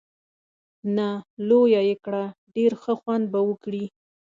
نه، لویه یې کړه، ډېر ښه خوند به وکړي.